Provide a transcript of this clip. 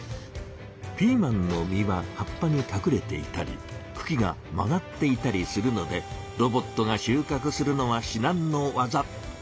ピーマンの実は葉っぱにかくれていたりくきが曲がっていたりするのでロボットが収穫するのはしなんのわざ。